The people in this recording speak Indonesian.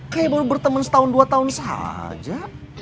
kayak baru berteman setahun dua tahun saja